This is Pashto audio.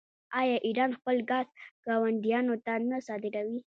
آیا ایران خپل ګاز ګاونډیانو ته نه صادروي؟